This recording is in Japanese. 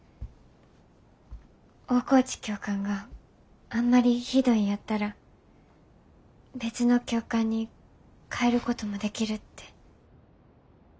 大河内教官があんまりひどいんやったら別の教官に替えることもできるって。